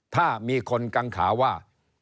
ถ้ามีคนกังขาว่า